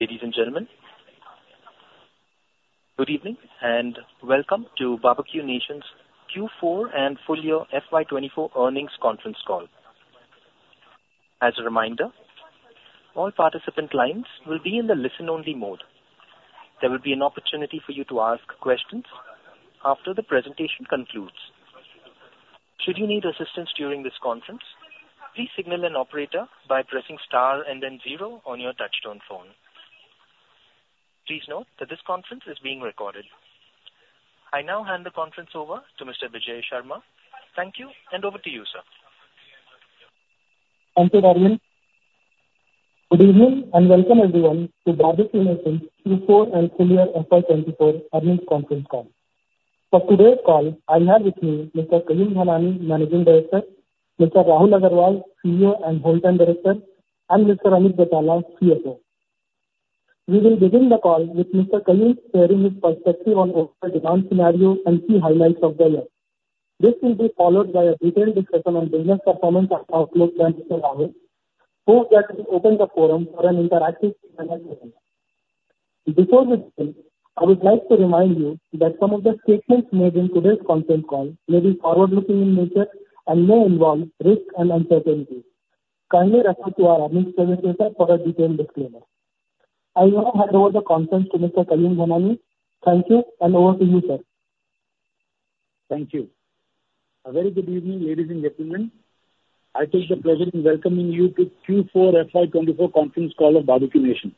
Ladies and gentlemen, good evening, and welcome to Barbeque Nation's Q4 and full year FY24 earnings conference call. As a reminder, all participant lines will be in the listen-only mode. There will be an opportunity for you to ask questions after the presentation concludes. Should you need assistance during this conference, please signal an operator by pressing star and then zero on your touchtone phone. Please note that this conference is being recorded. I now hand the conference over to Mr. Bijay Sharma. Thank you, and over to you, sir. Thank you, Darren. Good evening, and welcome everyone to Barbeque Nation Q4 and full year FY24 earnings conference call. For today's call, I have with me Mr. Kayum Dhanani, Managing Director, Mr. Rahul Agrawal, CEO and Whole Time Director, and Mr. Amit Betala, CFO. We will begin the call with Mr. Kayum sharing his perspective on overall demand scenario and key highlights of the year. This will be followed by a detailed discussion on business performance and outlook by Mr. Rahul, who will then open the forum for an interactive Q&A session. Before we begin, I would like to remind you that some of the statements made in today's conference call may be forward-looking in nature and may involve risks and uncertainties. Kindly refer to our earnings presentation for a detailed disclaimer. I now hand over the conference to Mr. Kayum Dhanani. Thank you, and over to you, sir. Thank you. A very good evening, ladies and gentlemen. I take the pleasure in welcoming you to Q4 FY24 conference call of Barbeque Nation.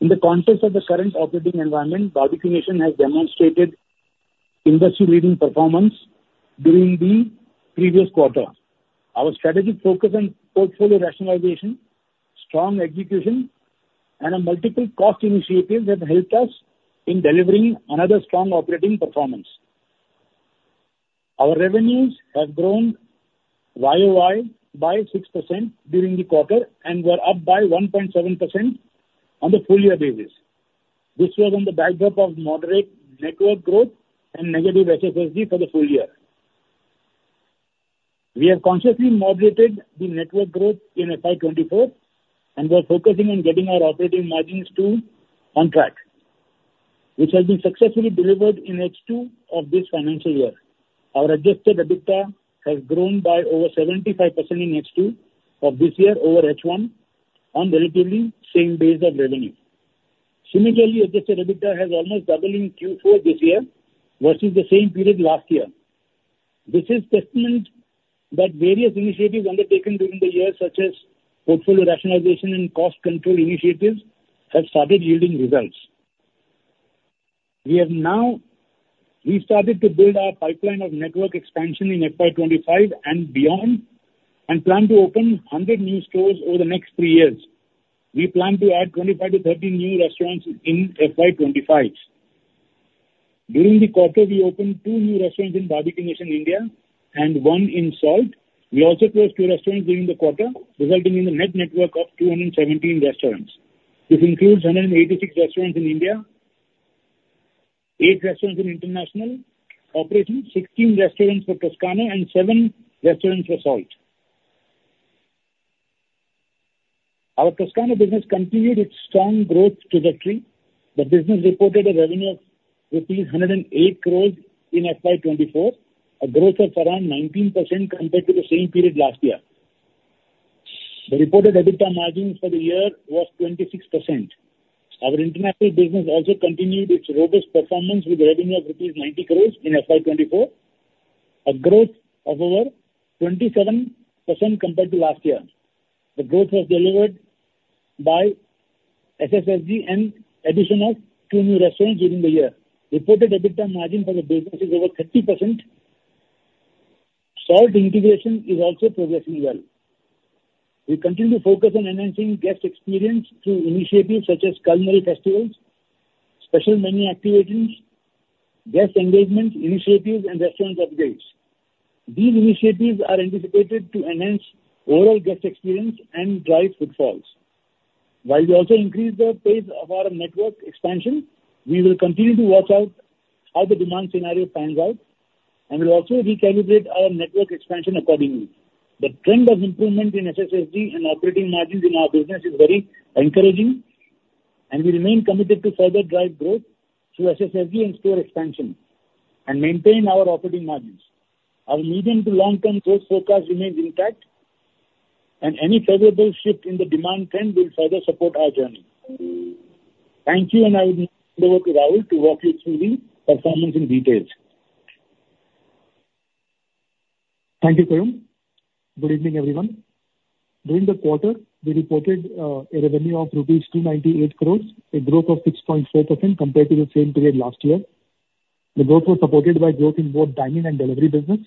In the context of the current operating environment, Barbeque Nation has demonstrated industry-leading performance during the previous quarter. Our strategic focus on portfolio rationalization, strong execution, and on multiple cost initiatives have helped us in delivering another strong operating performance. Our revenues have grown YOY by 6% during the quarter, and we are up by 1.7% on the full year basis. This was on the back of moderate network growth and negative SSSG for the full year. We have consciously moderated the network growth in FY24, and we are focusing on getting our operating margins to on track, which has been successfully delivered in H2 of this financial year. Our adjusted EBITDA has grown by over 75% in H2 of this year over H1 on relatively same base of revenue. Similarly, adjusted EBITDA has almost doubled in Q4 this year versus the same period last year. This is testament that various initiatives undertaken during the year, such as portfolio rationalization and cost control initiatives, have started yielding results. We started to build our pipeline of network expansion in FY25 and beyond, and plan to open 100 new stores over the next three years. We plan to add 25-30 new restaurants in FY 2025. During the quarter, we opened 2 new restaurants in Barbeque Nation, India, and one in Salt. We also closed 2 restaurants during the quarter, resulting in a net network of 217 restaurants. This includes 186 restaurants in India, 8 restaurants in international operations, 16 restaurants for Toscano, and 7 restaurants for Salt. Our Toscano business continued its strong growth trajectory. The business reported a revenue of rupees 108 crore in FY 2024, a growth of around 19% compared to the same period last year. The reported EBITDA margins for the year was 26%. Our international business also continued its robust performance, with revenue of rupees 90 crore in FY 2024, a growth of over 27% compared to last year. The growth was delivered by SSSG and addition of 2 new restaurants during the year. Reported EBITDA margin for the business is over 30%. Salt integration is also progressing well. We continue to focus on enhancing guest experience through initiatives such as culinary festivals, special menu activations, guest engagement initiatives, and restaurant upgrades. These initiatives are anticipated to enhance overall guest experience and drive footfalls. While we also increase the pace of our network expansion, we will continue to watch out how the demand scenario pans out, and we'll also recalibrate our network expansion accordingly. The trend of improvement in SSSG and operating margins in our business is very encouraging, and we remain committed to further drive growth through SSSG and store expansion and maintain our operating margins. Our medium to long-term growth forecast remains intact, and any favorable shift in the demand trend will further support our journey. Thank you, and I will now hand over to Rahul to walk you through the performance in detail. Thank you, Kayum. Good evening, everyone. During the quarter, we reported a revenue of rupees 298 crore, a growth of 6.4% compared to the same period last year. The growth was supported by growth in both dine-in and delivery business.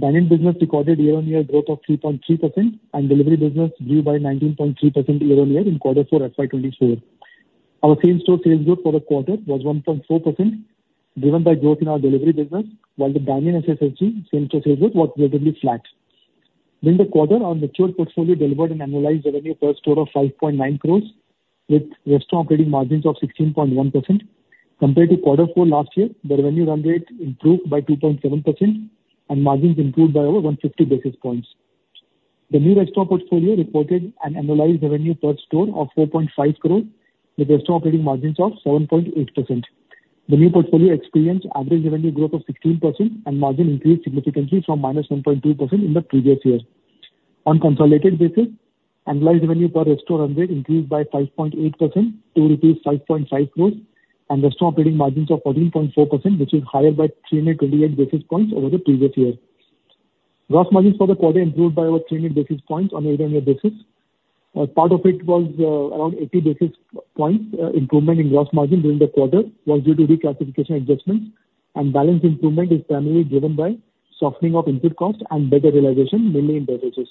Dine-in business recorded year-on-year growth of 3.3%, and delivery business grew by 19.3% year on year in quarter four FY24. Our same-store sales growth for the quarter was 1.4%, driven by growth in our delivery business, while the dine-in SSG same-store sales growth was relatively flat. During the quarter, our mature portfolio delivered an annualized revenue per store of 5.9 crores, with restaurant operating margins of 16.1%. Compared to Quarter Four last year, the revenue run rate improved by 2.7%, and margins improved by over 150 basis points. The new restaurant portfolio reported an annualized revenue per store of 4.5 crore, with restaurant operating margins of 7.8%. The new portfolio experienced average revenue growth of 16% and margin increased significantly from -1.2% in the previous year. On consolidated basis, annualized revenue per restaurant run rate increased by 5.8% to 5.5 crores, and restaurant operating margins of 14.4%, which is higher by 328 basis points over the previous year. Gross margins for the quarter improved by over 300 basis points on a year-on-year basis. Part of it was around 80 basis points, improvement in gross margin during the quarter was due to reclassification adjustments, and balance improvement is primarily driven by softening of input costs and better realization, mainly in beverages.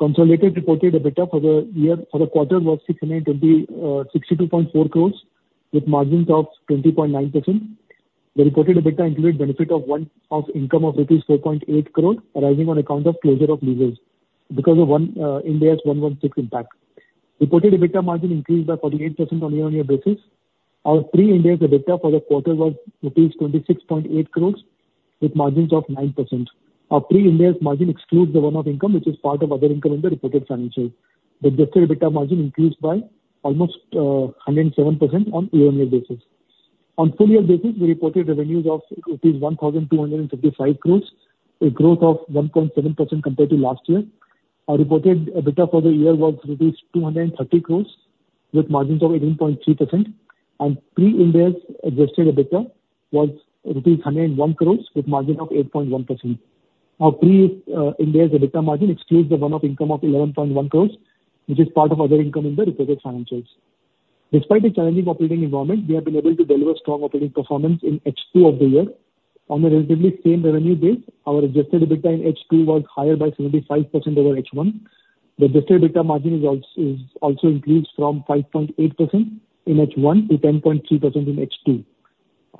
Consolidated reported EBITDA for the year, for the quarter was 662.4 crores, with margins of 20.9%. The reported EBITDA includes benefit of one-off income of rupees 4.8 crore, arising on account of closure of leases because of Ind AS 116 impact. Reported EBITDA margin increased by 48% on a year-on-year basis. Our pre-Ind AS EBITDA for the quarter was rupees 26.8 crores, with margins of 9%. Our pre-Ind AS margin excludes the one-off income, which is part of other income in the reported financials. The adjusted EBITDA margin increased by almost 107% on year-over-year basis. On full year basis, we reported revenues of rupees 1,255 crores, a growth of 1.7% compared to last year. Our reported EBITDA for the year was rupees 230 crores, with margins of 18.3%, and pre-Ind AS adjusted EBITDA was rupees 101 crores, with margin of 8.1%. Our pre-Ind AS EBITDA margin excludes the one-off income of 11.1 crores, which is part of other income in the reported financials. Despite the challenging operating environment, we have been able to deliver strong operating performance in H2 of the year. On a relatively same revenue base, our adjusted EBITDA in H2 was higher by 75% over H1. The adjusted EBITDA margin is also increased from 5.8% in H1 to 10.3% in H2.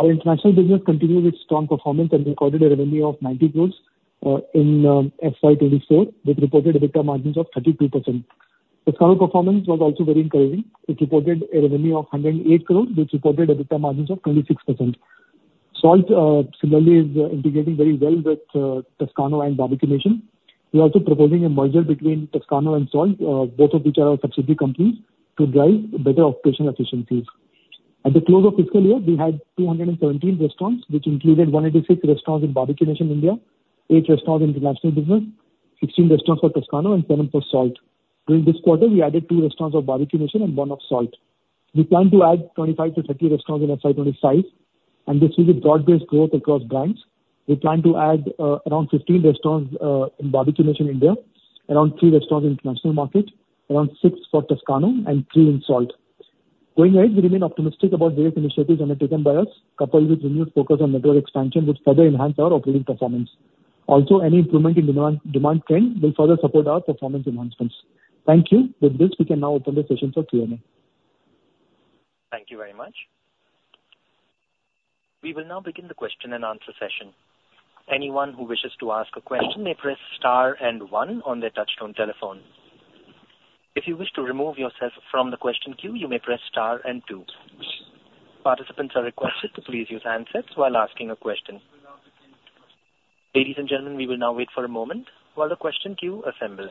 Our international business continued its strong performance and recorded a revenue of 90 crore in FY24, with reported EBITDA margins of 32%. Toscano performance was also very encouraging. It reported a revenue of 108 crore, with reported EBITDA margins of 26%. Salt, similarly, is integrating very well with, Toscano and Barbeque Nation. We are also proposing a merger between Toscano and Salt, both of which are our subsidiary companies, to drive better operational efficiencies. At the close of fiscal year, we had 217 restaurants, which included 106 restaurants in Barbeque Nation India, 8 restaurants in international business, 16 restaurants for Toscano and 7 for Salt. During this quarter, we added 2 restaurants of Barbeque Nation and 1 of Salt. We plan to add 25-30 restaurants in FY 2025, and this is a broad-based growth across brands. We plan to add around 15 restaurants in Barbeque Nation India, around 3 restaurants in international market, around 6 for Toscano and 3 in Salt. Going ahead, we remain optimistic about various initiatives undertaken by us, coupled with renewed focus on network expansion, which further enhance our operating performance. Also, any improvement in demand, demand trend will further support our performance enhancements. Thank you. With this, we can now open the session for Q&A. Thank you very much. We will now begin the question and answer session. Anyone who wishes to ask a question may press star and one on their touchtone telephone. If you wish to remove yourself from the question queue, you may press star and two. Participants are requested to please use handsets while asking a question. Ladies and gentlemen, we will now wait for a moment while the question queue assembles.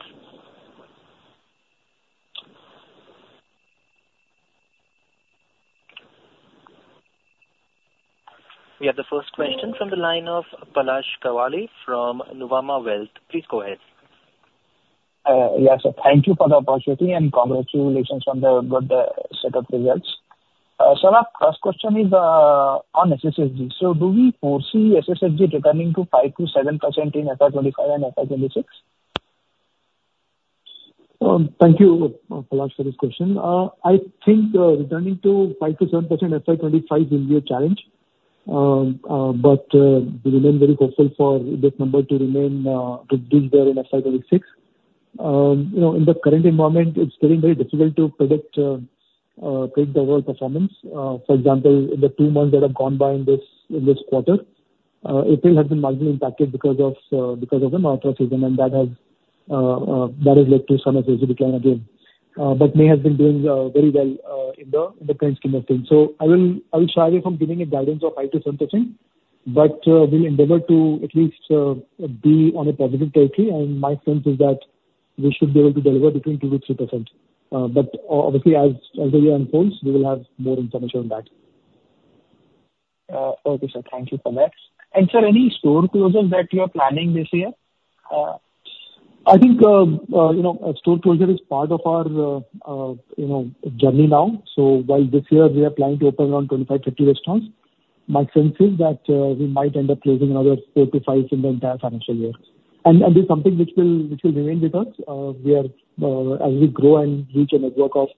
We have the first question from the line of Palash Kawale from Nuvama Wealth. Please go ahead. Yes, sir. Thank you for the opportunity, and congratulations on the good set of results. So my first question is on SSSG. So do we foresee SSSG returning to 5%-7% in FY 2025 and FY 2026? Thank you, Palash, for this question. I think returning to 5%-7% FY 2025 will be a challenge. But we remain very hopeful for this number to remain, to build there in FY 2026. You know, in the current environment, it's getting very difficult to predict the world performance. For example, in the two months that have gone by in this quarter, April has been marginally impacted because of the monsoon season, and that has led to some business decline again. But May has been doing very well in the current scheme of things. So I will shy away from giving a guidance of 5%-7%, but we'll endeavor to at least be on a positive territory, and my sense is that we should be able to deliver between 2%-3%. But obviously, as the year unfolds, we will have more information on that. Okay, sir. Thank you for that. And sir, any store closures that you are planning this year? I think, you know, store closure is part of our, you know, journey now. So while this year we are planning to open around 25-30 restaurants, my sense is that we might end up closing another 4-5 in the entire financial year. And this is something which will remain with us. We are, as we grow and reach a network of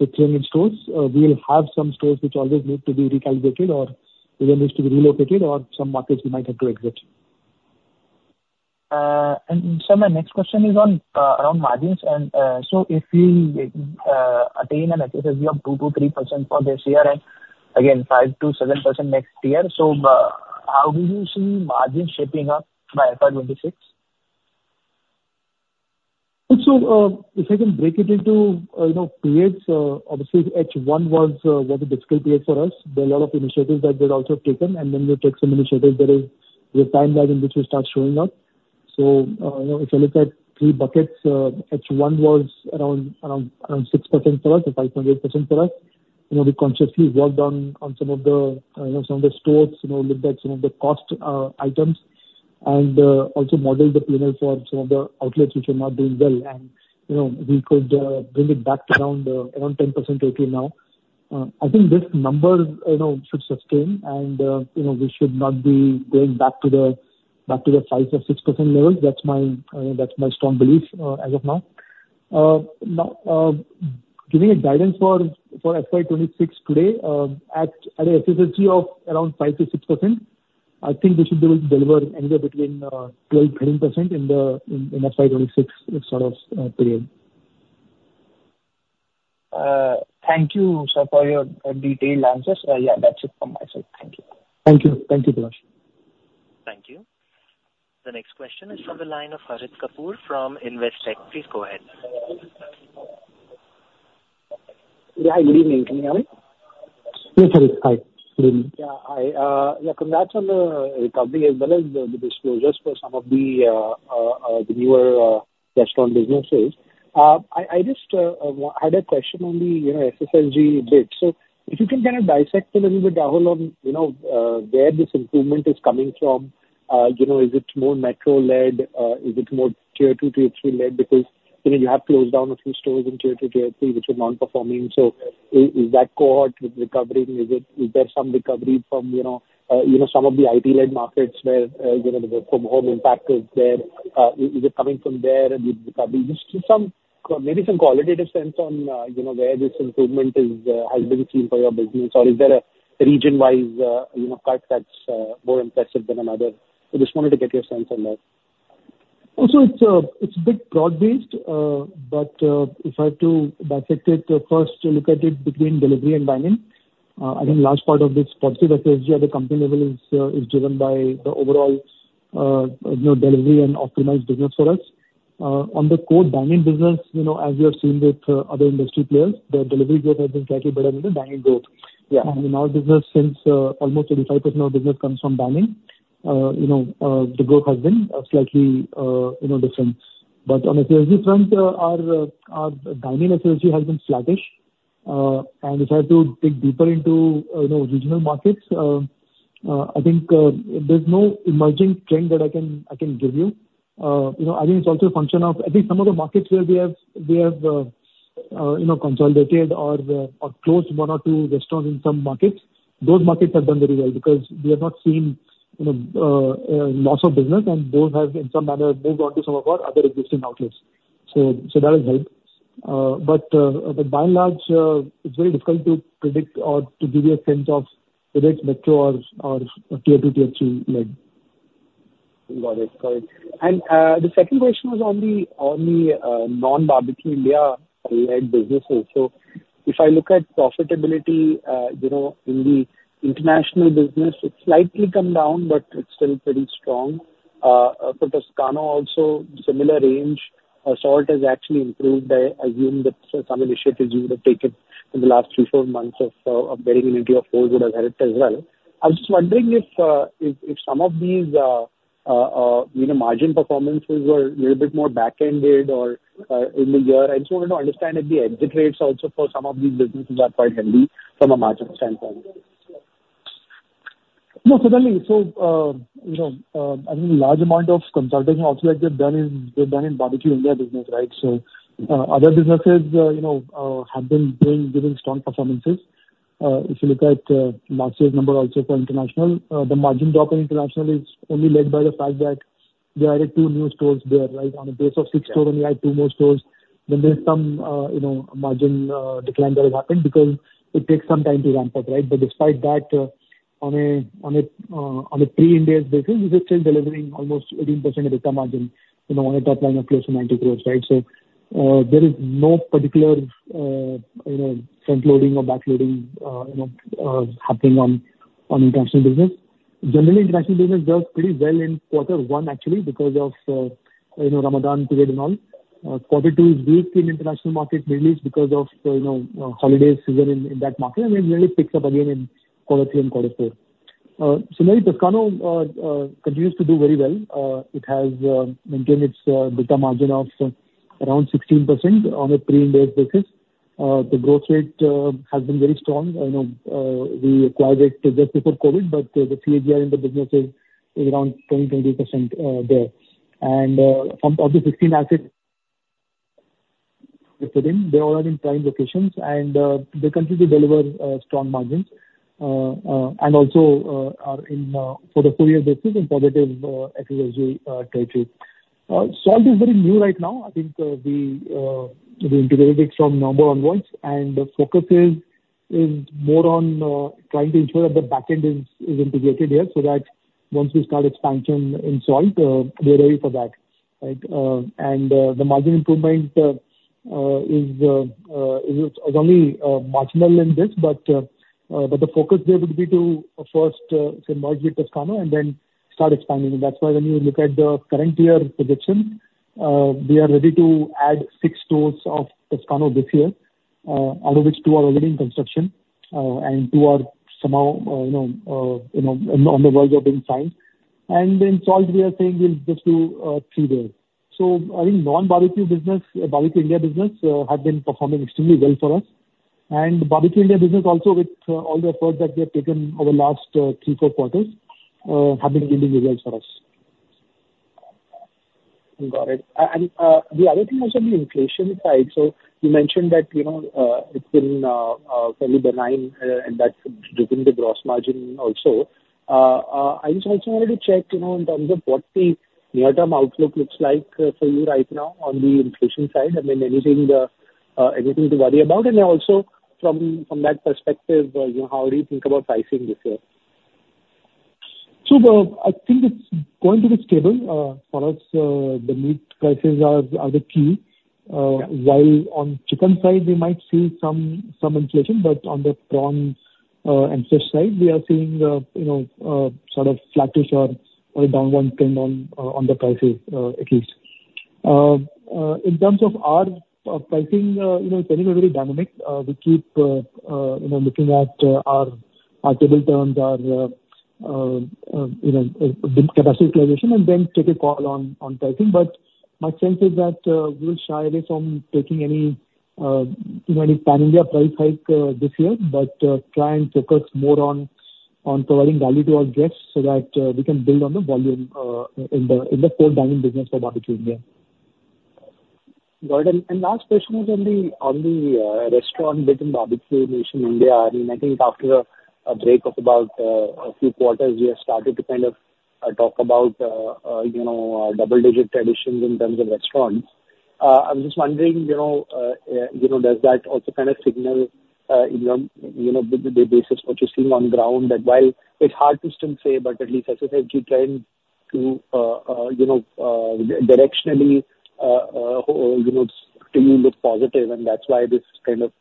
16 stores, we'll have some stores which always need to be recalculated or even needs to be relocated or some markets we might have to exit. Sir, my next question is on around margins. So if you attain an SSSG of 2%-3% for this year and again, 5%-7% next year, so how do you see margins shaping up by FY 2026?... So, if I can break it into, you know, periods, obviously H1 was a difficult period for us. There are a lot of initiatives that we've also taken, and then we take some initiatives that is with timeline in which we start showing up. So, you know, if you look at three buckets, H1 was around 6% for us, or 5.8% for us. You know, we consciously worked on some of the, you know, some of the stores, you know, looked at some of the cost items, and also modeled the planner for some of the outlets which are not doing well. And, you know, we could bring it back to around 10% ATU now. I think this number, you know, should sustain and, you know, we should not be going back to the, back to the 5% or 6% levels. That's my, that's my strong belief, as of now. Now, giving a guidance for FY 2026 today, at a SSG of around 5%-6%, I think we should be able to deliver anywhere between 12%-13% in FY 2026, sort of, period. Thank you, sir, for your detailed answers. Yeah, that's it from myself. Thank you. Thank you. Thank you, Prash. Thank you. The next question is from the line of Harit Kapoor from Investec. Please go ahead. Yeah, good evening. Can you hear me? Yes, Harit. Hi, good evening. Yeah, hi. Yeah, congrats on the recovery as well as the, the disclosures for some of the, the newer, restaurant businesses. I, I just, had a question on the, you know, SSG bit. So if you can kind of dissect a little bit, Rahul, on, you know, where this improvement is coming from. You know, is it more metro-led? Is it more tier two, tier three-led? Because, you know, you have closed down a few stores in tier two, tier three, which were non-performing. So is that cohort recovering? Is there some recovery from, you know, some of the IT-led markets where, you know, the work from home impact is there? Is it coming from there, the recovery? Just some, maybe some qualitative sense on, you know, where this improvement is, has been seen for your business, or is there a region-wise, you know, part that's, more impressive than another? So just wanted to get your sense on that. So it's, it's a bit broad-based, but, if I have to dissect it, first look at it between delivery and dine-in. I think large part of this positive SSG at the company level is, is driven by the overall, you know, delivery and optimized business for us. On the core dine-in business, you know, as you have seen with, other industry players, the delivery growth has been slightly better than the dine-in growth. Yeah. In our business, since almost 35% of business comes from dine-in, you know, the growth has been slightly, you know, different. But on the SSG front, our, our dine-in SSG has been sluggish. And if I have to dig deeper into, you know, regional markets, I think, there's no emerging trend that I can, I can give you. You know, I think it's also a function of, at least some of the markets where we have, we have, you know, consolidated or, or closed one or two restaurants in some markets. Those markets have done very well because we have not seen, you know, loss of business, and those have in some manner moved on to some of our other existing outlets. So, so that has helped. But by and large, it's very difficult to predict or to give you a sense of whether it's metro or tier two, tier three-led. Got it. Got it. And the second question was on the non-Barbeque India-led businesses. So if I look at profitability, you know, in the international business, it's slightly come down, but it's still pretty strong. For Toscano also, similar range. Salt has actually improved. I assume that some initiatives you would have taken in the last three, four months of getting into your fold would have helped as well. I was just wondering if some of these, you know, margin performances were a little bit more back-ended or in the year. I just wanted to understand if the exit rates also for some of these businesses are quite healthy from a margin standpoint. No, certainly. So, you know, I think a large amount of consolidation also that they've done is they've done in Barbeque India business, right? So, other businesses, you know, have been doing, giving strong performances. If you look at, last year's number also for international, the margin drop in international is only led by the fact that we added two new stores there, right? On a base of six stores, and we added two more stores. Then there's some, you know, margin, decline that has happened because it takes some time to ramp up, right? But despite that, on a pre-Ind AS basis, we are still delivering almost 18% EBITDA margin, you know, on a top line of close to 90 crore, right? So, there is no particular, you know, front-loading or back-loading, you know, happening on international business. Generally, international business does pretty well in quarter one, actually, because of, you know, Ramadan, COVID and all. Quarter two is weak in international market, mainly because of, you know, holiday season in that market, and it really picks up again in quarter three and quarter four. So Toscano continues to do very well. It has maintained its EBITDA margin of around 16% on a pre-Ind AS basis. The growth rate has been very strong. You know, we acquired it just before COVID, but the CAGR in the business is around 10%-20% there. And from of the 16 assets... They all are in prime locations, and they continue to deliver strong margins. And also are in, for the full year basis, in positive SSG territory. Salt is very new right now. I think we integrated it from November onwards, and the focus is more on trying to ensure that the back end is integrated here, so that once we start expansion in Salt, we're ready for that, right? And the margin improvement is only marginal in this, but the focus there would be to first merge with Toscano and then start expanding. And that's why when you look at the current year projection, we are ready to add 6 stores of Toscano this year, out of which 2 are already in construction, and 2 are somehow, you know, you know, on the verge of being signed. And then Salt we are saying we'll get to 3 there. So I think non-barbecue business, Barbeque Nation business, have been performing extremely well for us. And Barbeque Nation business also with all the efforts that we have taken over last 3-4 quarters have been building results for us. Got it. And, the other thing also on the inflation side, so you mentioned that, you know, it's been fairly benign, and that's driven the gross margin also. I just also wanted to check, you know, in terms of what the near-term outlook looks like for you right now on the inflation side. I mean, anything to worry about? And then also from that perspective, you know, how do you think about pricing this year? So, I think it's going to be stable for us. The meat prices are the key. Yeah. While on chicken side, we might see some inflation, but on the prawns and fish side, we are seeing, you know, sort of flattish or a downward trend on the prices, at least. In terms of our pricing, you know, it's fairly very dynamic. We keep you know, looking at our table turns, our you know, capacity utilization, and then take a call on pricing. But my sense is that we'll shy away from taking any you know, any pan-India price hike this year, but try and focus more on providing value to our guests so that we can build on the volume in the core dining business for Barbeque Nation. Got it. Last question is on the restaurant building Barbeque Nation India. I mean, I think after a break of about a few quarters, we have started to kind of talk about you know, double-digit additions in terms of restaurants. I'm just wondering, you know, does that also kind of signal, you know, the basis what you're seeing on the ground, that while it's hard to still say, but at least as I said, you're trying to, you know, directionally, still look positive, and that's why this kind of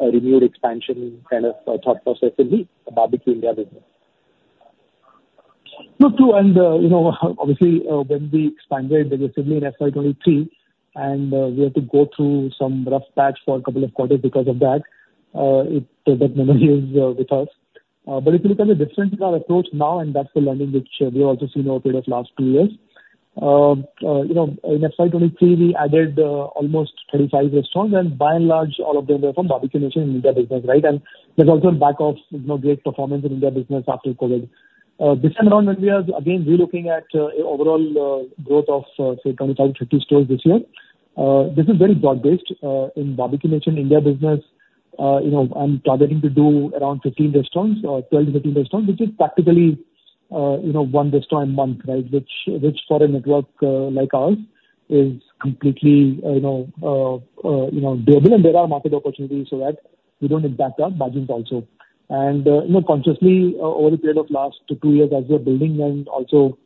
a renewed expansion kind of thought process in the Barbeque Nation business? No, true, and, you know, obviously, when we expanded aggressively in FY 2023, and, we had to go through some rough patch for a couple of quarters because of that, that memory is with us. But if you look at the difference in our approach now, and that's the learning which we have also seen over a period of last two years. You know, in FY 2023, we added almost 35 restaurants, and by and large, all of them were from Barbeque Nation India business, right? And there's also a backdrop of, you know, great performance in India business after COVID. This time around, when we are again relooking at overall growth of, say, 25-50 stores this year, this is very broad-based. In Barbeque Nation India business, you know, I'm targeting to do around 15 restaurants, 12-15 restaurants, which is practically, you know, one restaurant a month, right? Which, which for a network like ours is completely, you know, doable. And there are market opportunities so that we don't impact our margins also. You know, consciously, over a period of last two years as we are building and also,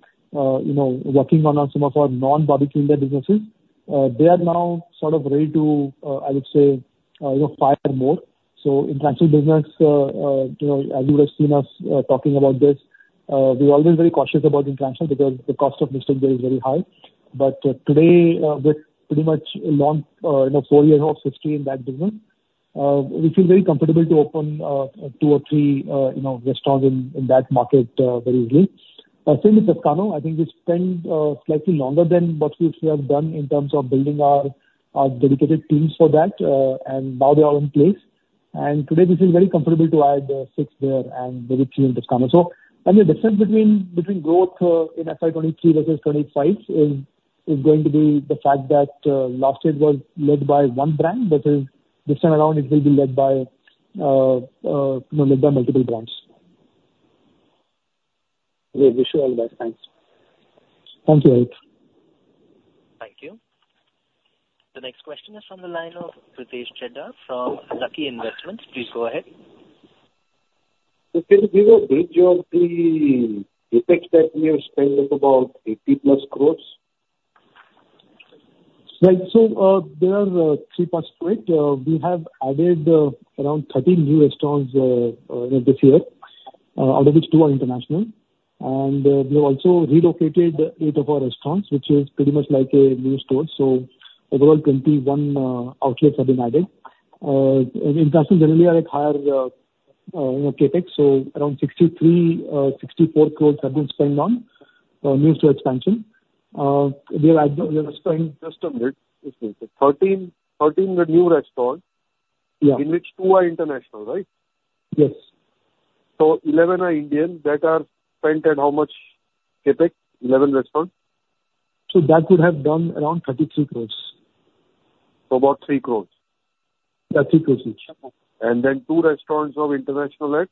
you know, working on some of our non-Barbeque India businesses, they are now sort of ready to, I would say, you know, fire more. So international business, you know, as you have seen us talking about this, we're always very cautious about international because the cost of mistake there is very high. But today, with pretty much a long, you know, four-year of history in that business, we feel very comfortable to open two or three, you know, restaurants in, in that market very easily. Same with Toscano. I think we spent slightly longer than what we usually have done in terms of building our dedicated teams for that, and now they are all in place. Today, we feel very comfortable to add six there and very few in Toscano. So, I mean, the difference between growth in FY23 versus 25 is going to be the fact that last year was led by one brand, but this time around it will be led by, you know, led by multiple brands. Great. Wish you all the best. Thanks. Thank you, Harit. Thank you. The next question is from the line of Pritesh Chheda from Lucky Investment Managers. Please go ahead. Can you give a breakdown of the CapEx that you have spent of about INR 80+ crores? Right. So, there are three parts to it. We have added around 13 new restaurants this year, out of which 2 are international. And we have also relocated 8 of our restaurants, which is pretty much like a new store. So overall, 21 outlets have been added. And international generally are at higher CapEx, so around 63-64 crores have been spent on new store expansion. We have added- Just a minute. Excuse me. 13, 13 new restaurants- Yeah. -in which two are international, right? Yes. So, 11 are Indian that are spent at how much CapEx, 11 restaurants? So that would have done around 33 crore. About 3 crore? Yeah, 3 crores each. And then two restaurants of international at?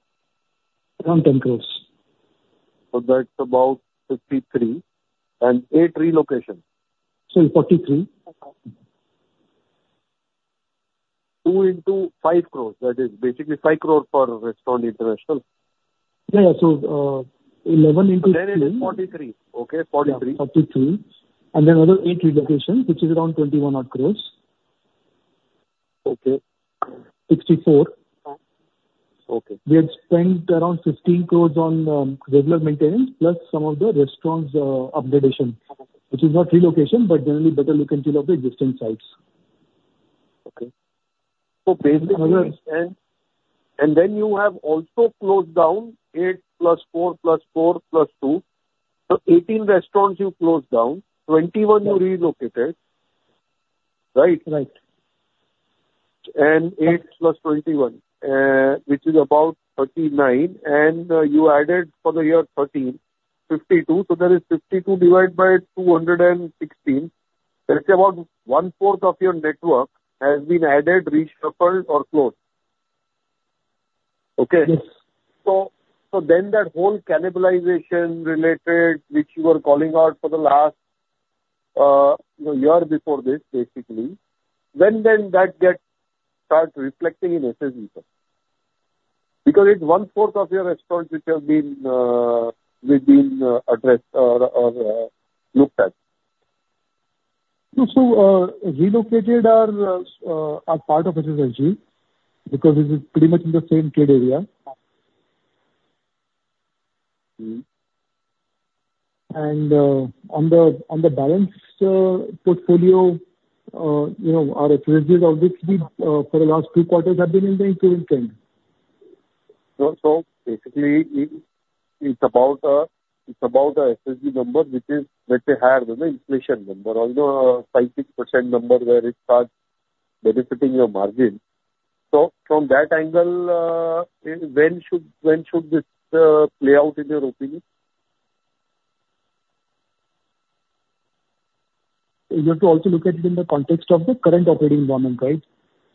Around 10 crore. That's about 53, and 8 relocations. Sorry, forty-three. 2 into 5 crore, that is basically 5 crore per restaurant international?... Yeah, yeah. So, 11 into 10- There is 43. Okay, 43. Yeah, 43. And then another 8 relocations, which is around 21 odd crores. Okay. Sixty-four. Okay. We had spent around 15 crore on regular maintenance, plus some of the restaurants, upgradation, which is not relocation, but generally better look and feel of the existing sites. Okay. So basically, I understand. And then you have also closed down 8 plus 4 plus 4 plus 2, so 18 restaurants you closed down, 21 you relocated, right? Right. 8 + 21, which is about 39, and you added for the year 1,352. So that is 52 divided by 216. Let's say about one fourth of your network has been added, reshuffled or closed. Okay? Yes. So, so then that whole cannibalization related, which you were calling out for the last, you know, year before this, basically, when that gets start reflecting in SSG, because it's one fourth of your restaurants which have been addressed or looked at. So, relocated are part of SSG, because this is pretty much in the same trade area. Mm. On the balance portfolio, you know, our SSGs obviously for the last few quarters have been in the increasing trend. So basically, it's about a SSG number which is, let's say, higher than the inflation number, although a 5%-6% number where it starts benefiting your margin. So from that angle, when should this play out in your opinion? You have to also look at it in the context of the current operating environment, right?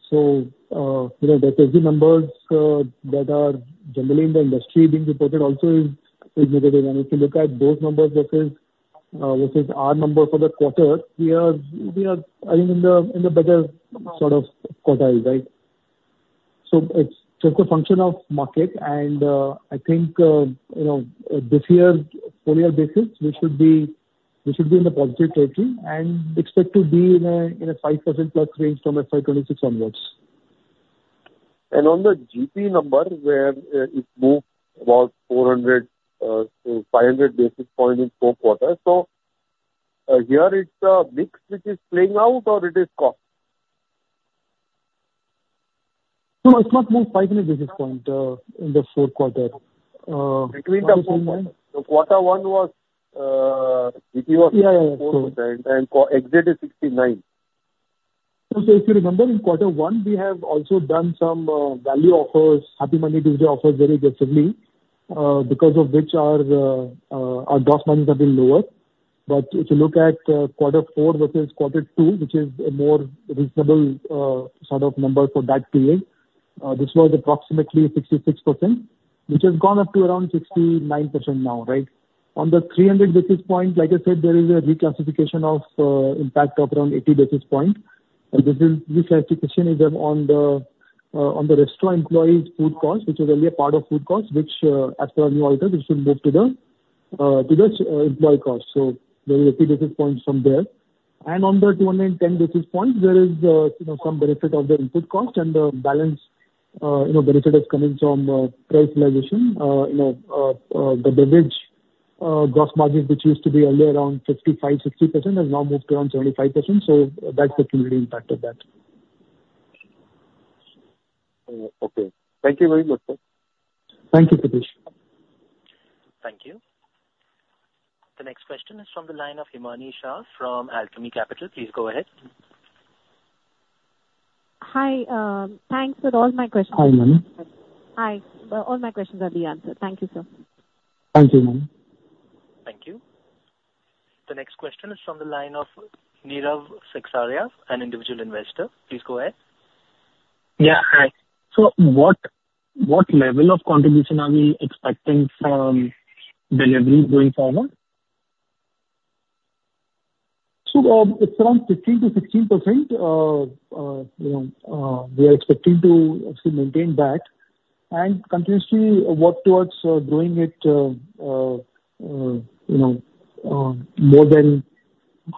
So, you know, the SSG numbers that are generally in the industry being reported also is negative. And if you look at those numbers versus our numbers for the quarter, we are, I think, in the better sort of quartile, right? So it's just a function of market. And, I think, you know, this year, full year basis, we should be in a positive territory and expect to be in a 5% plus range from FY26 onwards. On the GP number, where it moved about 400-500 basis points in 4 quarters, so here it's a mix which is playing out, or it is cost? No, it's not moved 500 basis point in the fourth quarter. Between the four quarters. So quarter one was, GP was- Yeah, yeah. Exit is 69. So if you remember, in quarter one, we have also done some value offers, Happy Monday Tuesday offers, very aggressively, because of which our our gross margins have been lower. But if you look at quarter four versus quarter two, which is a more reasonable sort of number for that period, this was approximately 66%, which has gone up to around 69% now, right? On the 300 basis points, like I said, there is a reclassification of impact of around 80 basis points. And this is, this classification is on the on the restaurant employees' food cost, which was earlier part of food cost, which, as per our new audit, which will move to the to the employee cost. So there is 80 basis points from there. On the 210 basis points, there is, you know, some benefit of the input cost and the balance, you know, benefit is coming from, price realization. You know, the beverage, gross margin, which used to be earlier around 55-60%, has now moved around 75%. So that's actually impacted that. Okay. Thank you very much, sir. Thank you, Pritesh. Thank you. The next question is from the line of Himani Shah from Alchemy Capital. Please go ahead. Hi, thanks for all my questions. Hi, ma'am. Hi. All my questions are being answered. Thank you, sir. Thank you, ma'am. Thank you. The next question is from the line of Nirav Sekhsaria, an individual investor. Please go ahead. Yeah, hi. So what level of contribution are we expecting from delivery going forward? So, it's around 15%-16%. You know, we are expecting to actually maintain that and continuously work towards growing it more than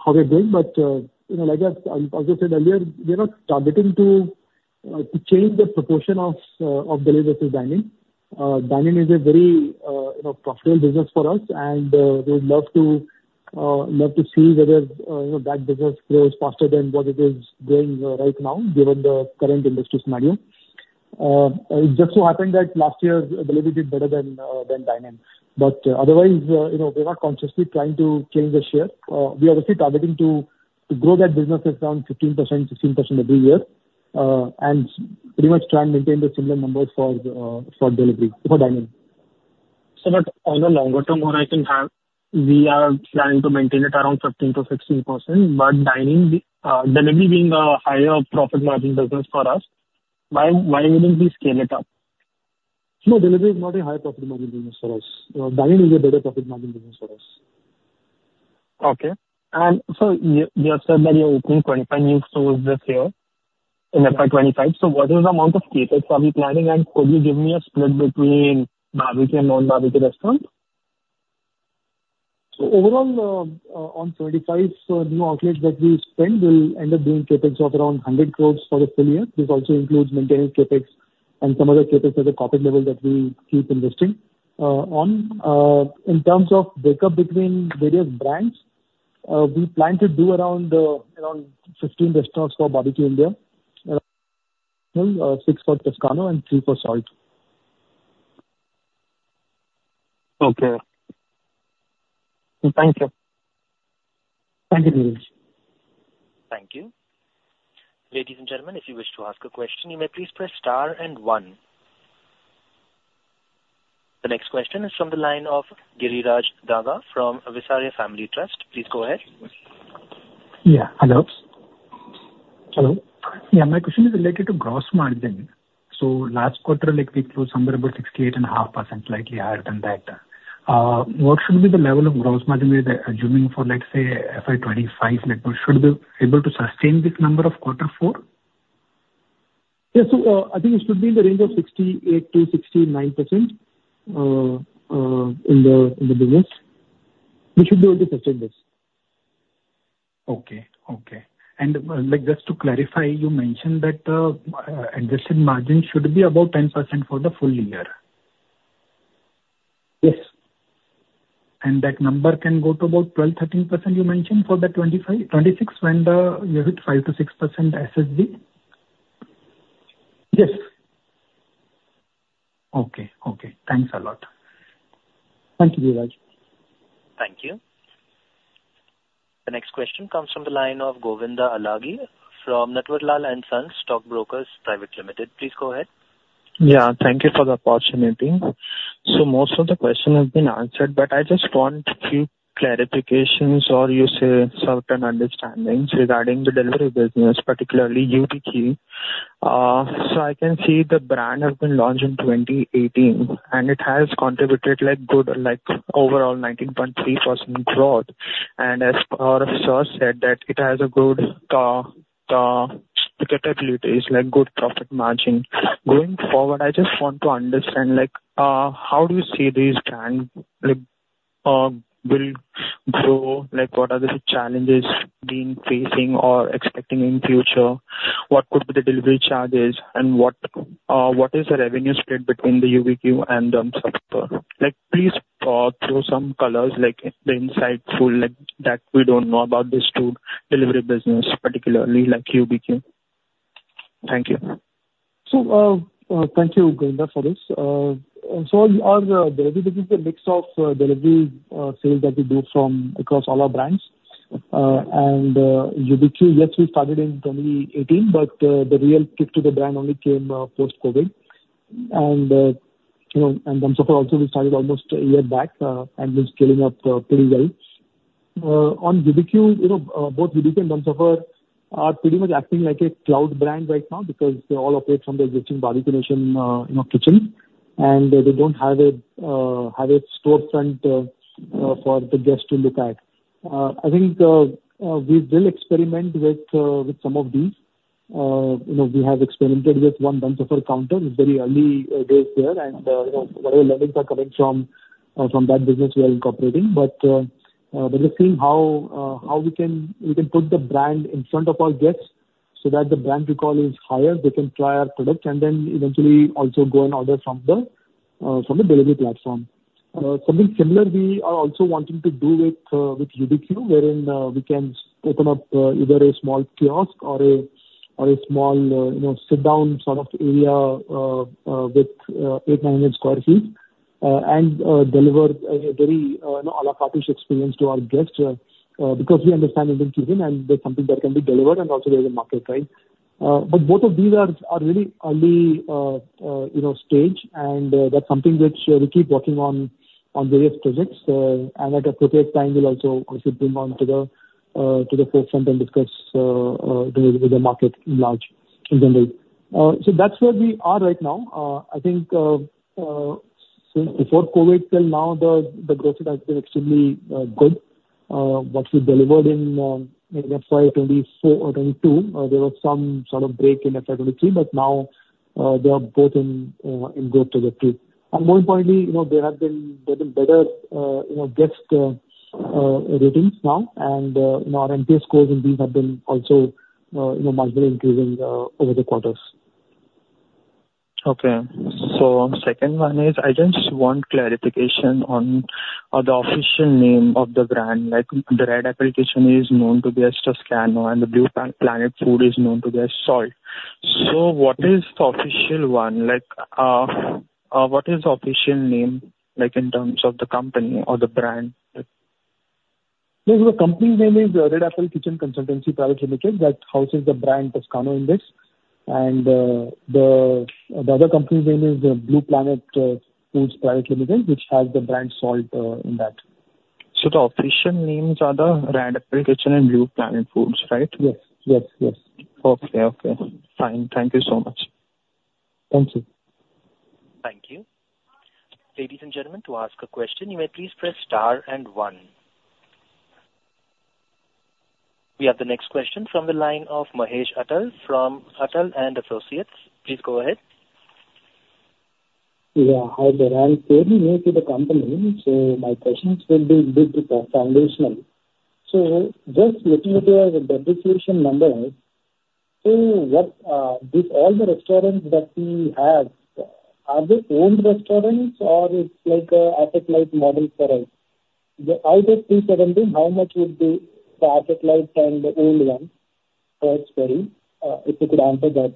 how we're doing. But, you know, like I, as I said earlier, we are not targeting to change the proportion of delivery to dining. Dining is a very, you know, profitable business for us, and we would love to see whether, you know, that business grows faster than what it is growing right now, given the current industry scenario. It just so happened that last year delivery did better than dining, but otherwise, you know, we're not consciously trying to change the share. We are obviously targeting to grow that business at around 15%-16% every year, and pretty much try and maintain the similar numbers for delivery, for dining. On a longer term, what I can have, we are planning to maintain it around 15%-16%, but dining, delivery being a higher profit margin business for us, why, why wouldn't we scale it up? No, delivery is not a higher profit margin business for us. Dining is a better profit margin business for us. ...Okay. You have said that you're opening 25 new stores this year in FY 2025. What is the amount of CapEx are we planning? Could you give me a split between barbecue and non-barbecue restaurants? So overall, on 2025, so new outlets that we spend will end up being CapEx of around 100 crore for the full year. This also includes maintenance CapEx and some other CapEx at the corporate level that we keep investing. On, in terms of breakup between various brands, we plan to do around 15 restaurants for Barbeque Nation, around six for Toscano and three for Salt. Okay. Thank you. Thank you, Dheeraj. Thank you. Ladies and gentlemen, if you wish to ask a question, you may please press star and one. The next question is from the line of Giriraj Daga from Visaria Family Trust. Please go ahead. Yeah. Hello? Hello. Yeah, my question is related to gross margin. So last quarter, like, we closed somewhere about 68.5%, slightly higher than that. What should be the level of gross margin we're assuming for, let's say, FY 2025? Like, we should be able to sustain this number of quarter four? Yes. So, I think it should be in the range of 68%-69%, in the business. We should be able to sustain this. Okay. Okay. And, like, just to clarify, you mentioned that adjusted margin should be about 10% for the full year. Yes. That number can go to about 12%-13% you mentioned for the FY 2025, FY 2026, when the, you have it 5%-6% SSSG? Yes. Okay. Okay. Thanks a lot. Thank you, Giriraj. Thank you. The next question comes from the line of Govinda Alagi from Nathulal & Sons Stockbrokers Pvt. Ltd. Please go ahead. Yeah, thank you for the opportunity. So most of the questions have been answered, but I just want few clarifications or you say, certain understandings regarding the delivery business, particularly UBQ. So I can see the brand has been launched in 2018, and it has contributed, like, good, like, overall 19.3% growth. And as our sir said, that it has a good capabilities, like, good profit margin. Going forward, I just want to understand, like, how do you see this brand, like, will grow? Like, what are the challenges being facing or expecting in future? What could be the delivery charges, and what, what is the revenue split between the UBQ and the Dum Safar? Like, please, throw some colors, like the insightful, like, that we don't know about this two delivery business, particularly like UBQ. Thank you. So, thank you, Govinda, for this. Our delivery business is a mix of delivery sales that we do from across all our brands. UBQ, yes, we started in 2018, but the real kick to the brand only came post-COVID. You know, and Dum Safar also we started almost a year back and is scaling up pretty well. On UBQ, you know, both UBQ and Dum Safar are pretty much acting like a cloud brand right now because they all operate from the existing Barbeque Nation, you know, kitchen. And they don't have a storefront for the guest to look at. I think we will experiment with some of these. You know, we have experimented with one Dum Safar counter. It's very early days there, and you know, whatever learnings are coming from that business we are incorporating. But we are just seeing how we can put the brand in front of our guests so that the brand recall is higher, they can try our product, and then eventually also go and order from the delivery platform. Something similar we are also wanting to do with UBQ, wherein we can open up either a small kiosk or a small you know, sit-down sort of area with 8-9 sq ft. And deliver a very you know, à la carte experience to our guests, because we understand Indian cuisine, and there's something that can be delivered, and also there's a market, right? But both of these are, are very early, you know, stage, and, that's something which, we keep working on, on various projects. And at appropriate time, we'll also, also bring on to the, to the forefront and discuss, the, the market at large in general. So that's where we are right now. I think, so before COVID till now, the, the growth has been extremely, good. What we delivered in, in FY 2024, 2022, there was some sort of break in FY 2023, but now, they are both in, in growth trajectory. More importantly, you know, there have been getting better, you know, guest ratings now, and, you know, our NPS scores and these have been also, you know, marginally increasing over the quarters. Okay. So second one is, I just want clarification on the official name of the brand, like, the Red Apple Kitchen is known to be Toscano, and the Blue Planet Foods is known to be Salt. So what is the official one? Like, what is the official name, like, in terms of the company or the brand? Yes, the company name is Red Apple Kitchen Consultancy Private Limited. That houses the brand Toscano in this. And, the other company's name is Blue Planet Foods Private Limited, which has the brand Salt in that. The official names are the Red Apple Kitchen and Blue Planet Foods, right? Yes. Yes, yes. Okay. Okay, fine. Thank you so much. Thank you. ...Thank you. Ladies and gentlemen, to ask a question, you may please press star and one. We have the next question from the line of Mahesh Attal from Atal and Associates. Please go ahead. Yeah. Hi there. I'm fairly new to the company, so my questions will be a bit foundational. So just looking at the depreciation numbers, so what this all the restaurants that we have, are they owned restaurants or it's like a asset-light model for us? Out of 217, how much would be the asset-light and the owned ones? So it's very if you could answer that.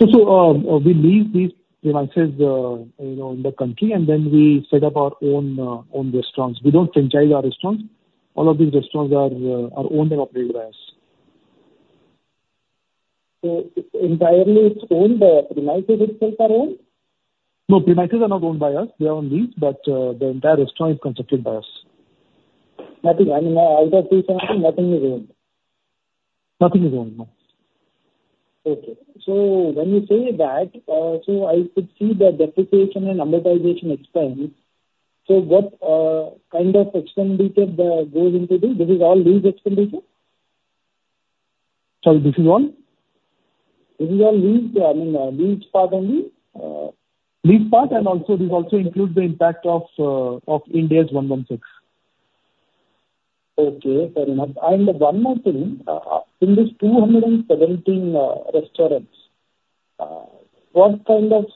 So we lease these premises, you know, in the country, and then we set up our own restaurants. We don't franchise our restaurants. All of these restaurants are owned and operated by us. So entirely it's owned, the premises itself are owned? No, premises are not owned by us. They are on lease, but the entire restaurant is constructed by us. Nothing, I mean, out of 217, nothing is owned. Nothing is owned, no. Okay. So when you say that, so I could see the depreciation and amortization expense. So what kind of expenditure goes into this? This is all lease expenditure? Sorry, this is what? This is all lease, I mean, lease part only, lease part, and also this also includes the impact of of Ind AS 116. Okay, fair enough. And one more thing, in this 217 restaurants, what kind of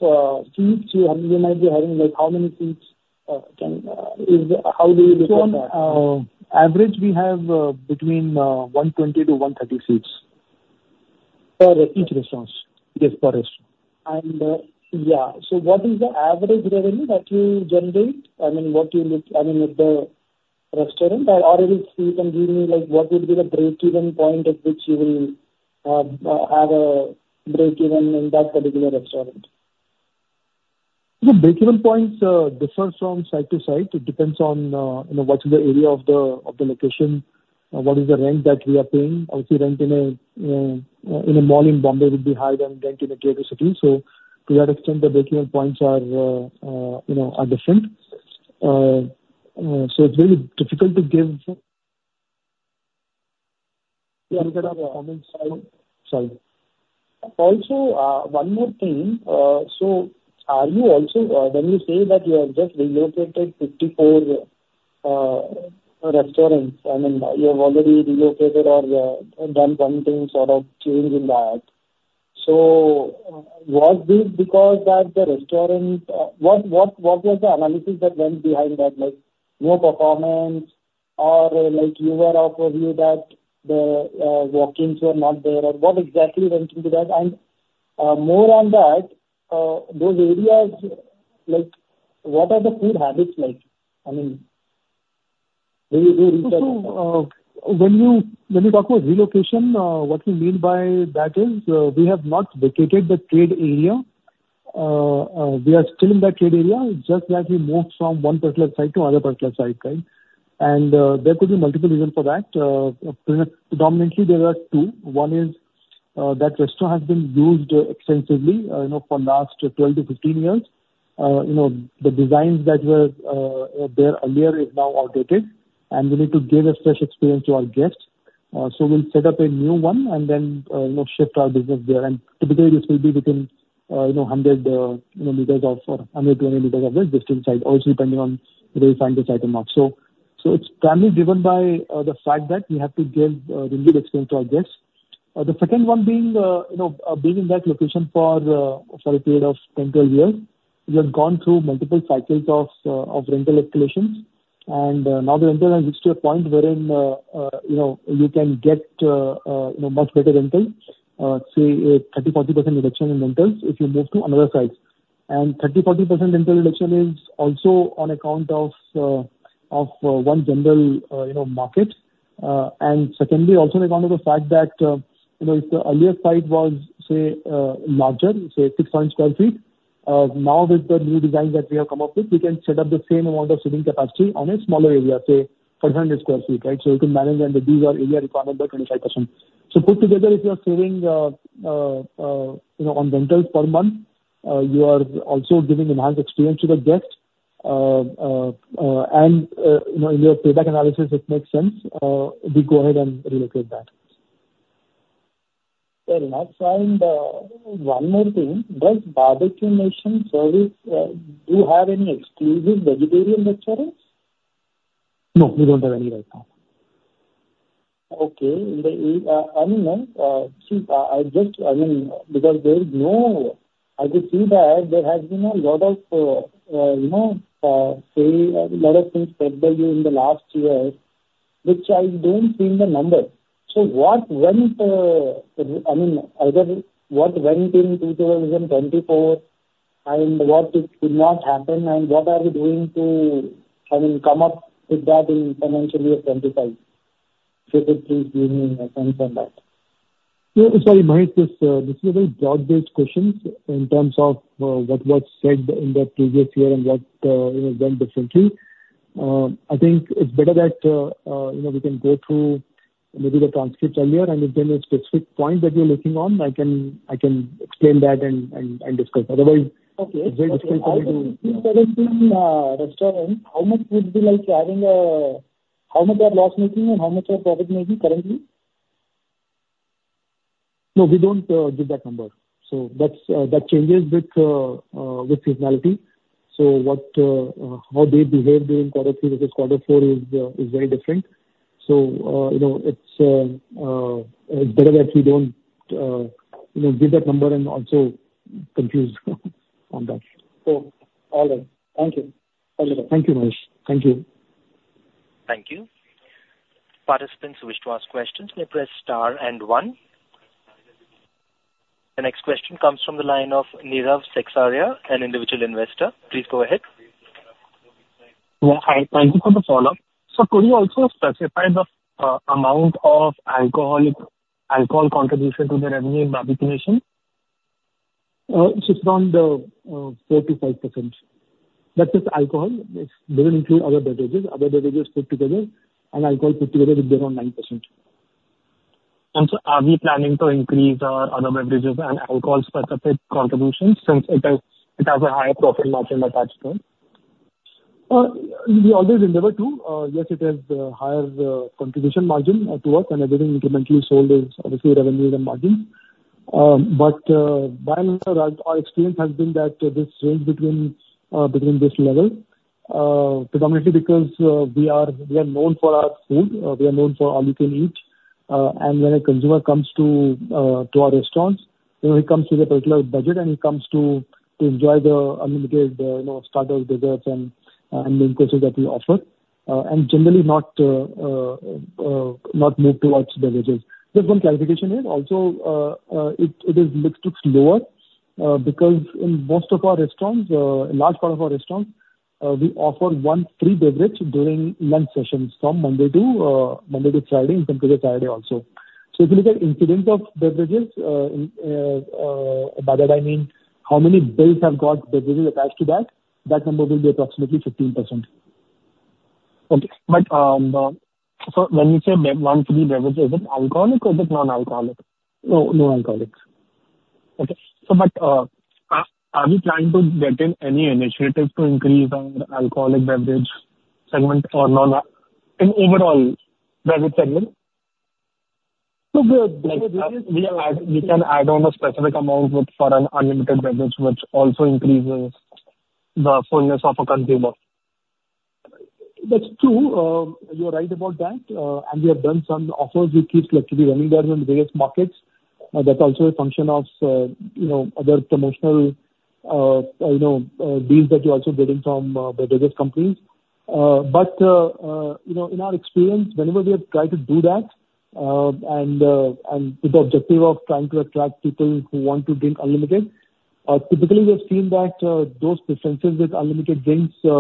seats you have, you might be having, like, how many seats, how do you look at that? So on average, we have between 120-130 seats. Per restaurant. Each restaurant. Yes, per restaurant. And yeah, so what is the average revenue that you generate? I mean, what you look... I mean, with the restaurant, or if you can give me, like, what would be the breakeven point at which you will have a breakeven in that particular restaurant? The breakeven points differs from site to site. It depends on, you know, what is the area of the location, what is the rent that we are paying. Obviously, rent in a mall in Bombay would be higher than rent in a tier two city. So to that extent, the breakeven points are, you know, are different. So it's very difficult to give- Yeah, I get that. I mean, sorry. Also, one more thing, so are you also, when you say that you have just relocated 54, restaurants, I mean, you have already relocated or, done something sort of change in that. So was this because that the restaurant, what, what, what was the analysis that went behind that? Like, low performance or like you were of a view that the, walk-ins were not there or what exactly went into that? And, more on that, those areas, like, what are the food habits like? I mean, do you, do you research- So, when you, when you talk about relocation, what we mean by that is, we have not vacated the trade area. We are still in that trade area, just that we moved from one particular site to other particular site, right? There could be multiple reason for that. Predominantly, there are two. One is, that restaurant has been used extensively, you know, for last 12-15 years. You know, the designs that were, there earlier is now outdated, and we need to give a fresh experience to our guests. So we'll set up a new one and then, you know, shift our business there. And typically, this will be within, you know, 100 m of or 120 m of the existing site, also depending on whether we find the site or not. So, so it's primarily driven by, the fact that we have to give a renewed experience to our guests. The second one being, you know, being in that location for a period of 10, 12 years, we have gone through multiple cycles of rental escalations. Now the rental has reached to a point wherein, you know, you can get much better rental, say, 30%-40% reduction in rentals if you move to another site. And 30%-40% rental reduction is also on account of one general, you know, market. And secondly, also on account of the fact that, you know, if the earlier site was, say, larger, say, 600 sq ft, now with the new design that we have come up with, we can set up the same amount of sitting capacity on a smaller area, say, 400 sq ft, right? So you can manage and reduce our area requirement by 25%. So put together, if you are saving, you know, on rentals per month, you are also giving enhanced experience to the guest. And, you know, in your payback analysis, it makes sense, we go ahead and relocate that. Fair enough. And, one more thing, does Barbeque Nation service, do you have any exclusive vegetarian restaurants? No, we don't have any right now. Okay. I mean, see, I just, I mean, because there is no... I could see that there has been a lot of, you know, say, a lot of things said by you in the last year, which I don't see in the numbers. So what went, I mean, either what went in 2024, and what could not happen, and what are you doing to, I mean, come up with that in financial year 2025? So if you please give me a sense on that. Yeah. Sorry, Mahesh, this is a very broad-based question in terms of what was said in the previous year and what you know went differently. I think it's better that you know we can go through maybe the transcript earlier, and if there's a specific point that you're looking on, I can explain that and discuss. Otherwise- Okay. -It's very difficult for me to- Restaurant, how much would you like having? How much you are loss-making and how much you are profit-making currently? No, we don't give that number. So that changes with seasonality. So, how they behave during quarter three because quarter four is very different. So, you know, it's better that we don't, you know, give that number and also confuse on that. Cool. All right. Thank you. Thank you, Mahesh. Thank you. Thank you. Participants who wish to ask questions may press star and one. The next question comes from the line of Nirav Sekhsaria, an individual investor. Please go ahead. Yeah. Hi, thank you for the follow-up. So could you also specify the amount of alcoholic alcohol contribution to the revenue in Barbeque Nation? It's just around 4%-5%. That is alcohol. It doesn't include other beverages. Other beverages put together and alcohol put together is around 9%. Are we planning to increase our other beverages and alcohol-specific contributions since it has, it has a higher profit margin attached to it? We always deliver to, yes, it has the higher contribution margin to us, and everything incrementally sold is obviously revenues and margins. But, by and large, our experience has been that this range between this level, predominantly because we are known for our food, we are known for all you can eat, and when a consumer comes to our restaurants, you know, he comes with a particular budget, and he comes to enjoy the unlimited, you know, starters, desserts and main courses that we offer, and generally not move towards beverages. Just one clarification here also, it is little lower, because in most of our restaurants, large part of our restaurants, we offer one free beverage during lunch sessions from Monday to Monday to Friday, and sometimes Saturday also. So if you look at incidence of beverages, by that I mean, how many bills have got beverages attached to that, that number will be approximately 15%. Okay. But, so when you say one free beverage, is it alcoholic or is it non-alcoholic? No, non-alcoholic. Okay. But are we planning to get in any initiative to increase our alcoholic beverage segment or not in overall beverage segment? So the- We can add on a specific amount with for an unlimited beverage, which also increases the fullness of a consumer. That's true. You're right about that, and we have done some offers which is actually running there in the various markets. That's also a function of, you know, other promotional, you know, deals that you're also getting from, beverages companies. But, you know, in our experience, whenever we have tried to do that, and, and with the objective of trying to attract people who want to drink unlimited, typically, we've seen that, those preferences with unlimited drinks, you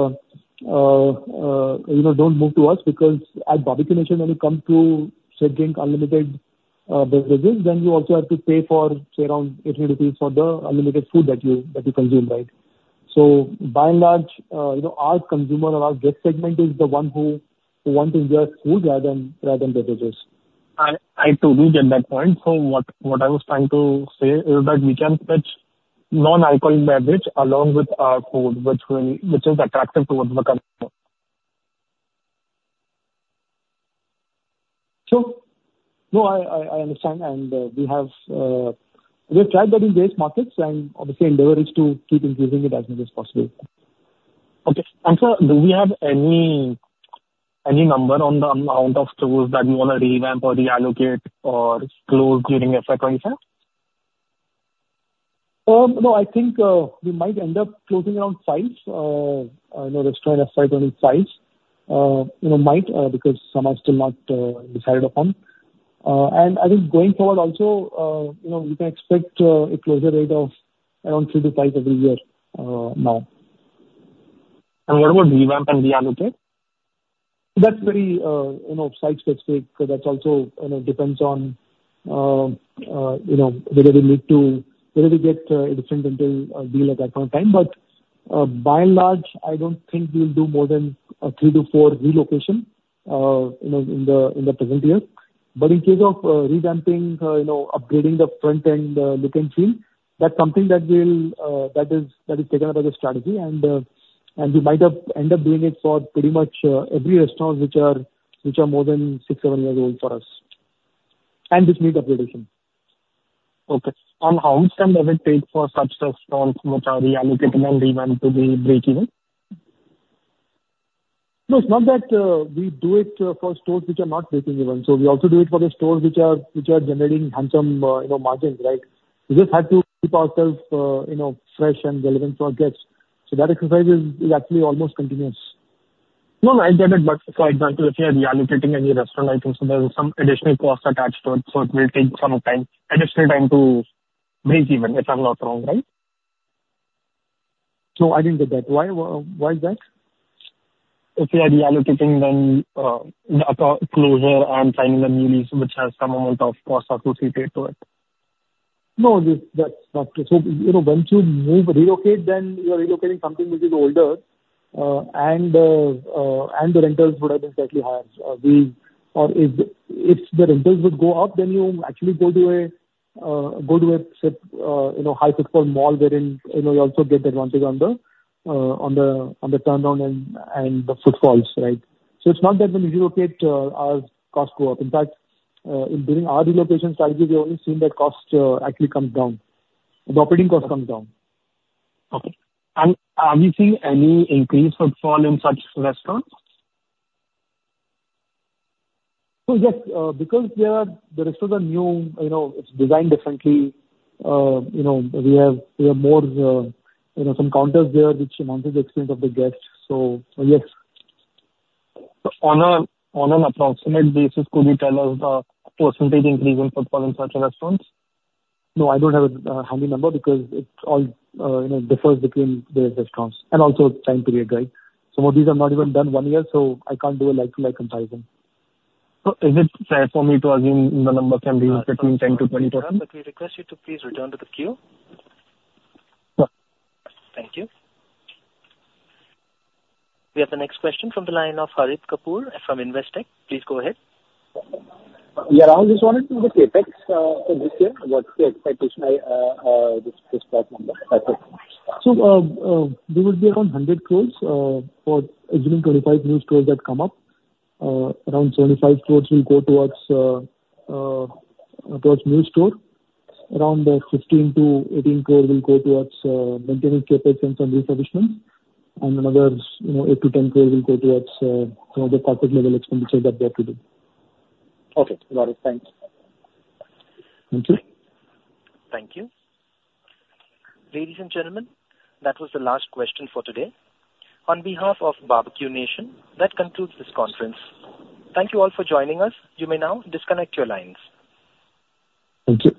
know, don't move to us because at Barbeque Nation, when you come to drink unlimited, beverages, then you also have to pay for around 80 rupees for the unlimited food that you, that you consume, right? By and large, you know, our consumer and our guest segment is the one who want to enjoy food rather than, rather than beverages. I totally get that point. So what I was trying to say is that we can pitch non-alcoholic beverage along with our food, which is attractive towards the customer. Sure. No, I understand, and we have tried that in various markets, and obviously endeavor is to keep increasing it as much as possible. Okay. And, sir, do we have any number on the amount of stores that we wanna revamp or reallocate or close during FY 2025? No, I think, we might end up closing around 5, you know, restaurant FY 2025. You know, might, because some are still not decided upon. And I think going forward also, you know, we can expect a closure rate of around 3-5 every year, now. What about revamp and reallocate? That's very, you know, site specific, so that's also, you know, depends on, you know, whether we need to—whether we get a different rental deal at that point in time. But by and large, I don't think we'll do more than 3-4 relocation, you know, in the present year. But in case of revamping, you know, upgrading the front-end look and feel, that's something that we'll, that is, that is taken up by the strategy and, and we might have end up doing it for pretty much every restaurants which are, which are more than 6-7 years old for us, and this needs upgradation. Okay. And how much time does it take for such restaurants, which are reallocated and revamped to be breakeven? No, it's not that, we do it for stores which are not breakeven. So we also do it for the stores which are, which are generating handsome, you know, margins, right? We just have to keep ourselves, you know, fresh and relevant for our guests. So that exercise is, is actually almost continuous. No, no, I get it, but for example, if you are reallocating any restaurant, I think so there is some additional cost attached to it, so it will take some time, additional time to breakeven, if I'm not wrong, right? No, I didn't get that. Why, why is that? If we are reallocating, then, closure and signing a new lease, which has some amount of costs associated to it. ...No, this, that's not true. So, you know, once you move, relocate, then you are relocating something which is older, and the rentals would have been slightly higher. Or if the rentals would go up, then you actually go to a, you know, high footfall mall wherein, you know, it also get the advantage on the turnaround and the footfalls, right? So it's not that when we relocate, our costs go up. In fact, during our relocation strategy, we've only seen that costs actually come down, the operating costs come down. Okay. Are you seeing any increase footfall in such restaurants? So, yes, because the restaurants are new, you know, it's designed differently. You know, we have more, you know, some counters there which enhances the experience of the guest. So, yes. On an approximate basis, could you tell us percentage increase in footfall in such restaurants? No, I don't have a handy number because it's all, you know, differs between the restaurants and also time period, right? Some of these are not even done one year, so I can't do a like-to-like comparison. Is it fair for me to assume the number can be between 10%-20%? We request you to please return to the queue. Yeah. Thank you. We have the next question from the line of Harit Kapoor from Investec. Please go ahead. Yeah, around this one, the CapEx for this year, what's the expectation by this number? So, there will be around 100 crore for assuming 25 new stores that come up. Around 75 crore will go towards towards new store. Around 16 crore- 18 crore will go towards maintaining CapEx and some refurbishments, and another, you know, 8 crore-10 crore will go towards you know the corporate level expenditures that they have to do. Okay, got it. Thanks. Thank you. Thank you. Ladies and gentlemen, that was the last question for today. On behalf of Barbeque Nation, that concludes this conference. Thank you all for joining us. You may now disconnect your lines. Thank you.